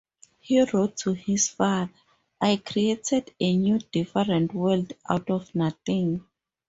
He wrote to his father: I created a new, different world out of nothing.